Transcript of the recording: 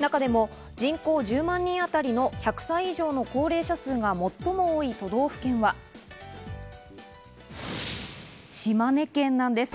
中でも人口１０万人あたりの１００歳以上の高齢者数が最も多い都道府県は島根県なんです。